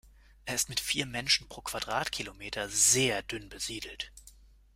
Er ist mit vier Menschen pro Quadratkilometer sehr dünn besiedelt.